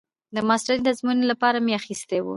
د ماسترۍ د ازموينې لپاره مې اخيستي وو.